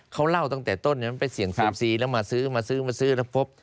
เขาเล่าตั้งแต่ต้นมันไปเสี่ยงเซียมซีแล้วมาซื้อมาซื้อมาซื้อแล้วพบ